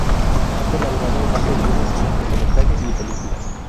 Ha colaborado dando guiones a cortometrajes y películas.